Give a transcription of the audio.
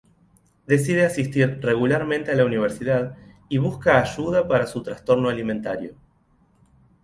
Decide asistir regularmente a la universidad y buscar ayuda para su trastorno alimentario.